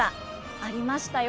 ありましたよ。